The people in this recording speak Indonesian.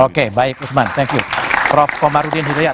oke baik usman thank you prof komarudin hidayat